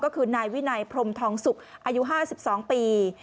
ก็คือนายวินัยพรมทองสุกอายุ๕๒ปี